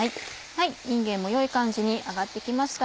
いんげんも良い感じに揚がって来ました。